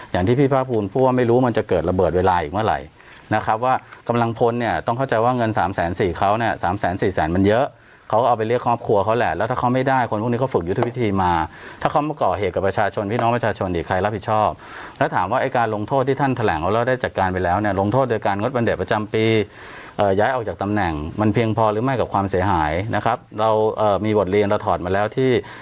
อย่างที่พี่พระพูลพูดว่าไม่รู้มันจะเกิดระเบิดเวลาอีกเมื่อไหร่นะครับว่ากำลังพ้นเนี้ยต้องเข้าใจว่าเงินสามแสนสี่เขาเนี้ยสามแสนสี่แสนมันเยอะเขาก็เอาไปเรียกครอบครัวเขาแหละแล้วถ้าเขาไม่ได้คนพวกนี้เขาฝึกยุทธวิธีมาถ้าเขาไม่ก่อเหตุกับประชาชนพี่น้องประชาชนอีกใครรับผิดชอบแล้วถ